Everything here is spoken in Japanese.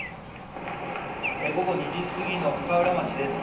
午後２時すぎの深浦町です。